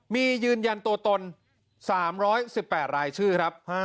มียืนยันตัวตน๓๑๘รายชื่อครับ